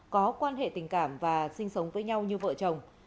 có quan hệ tình cảm và sinh sống với nhau như vợ chồng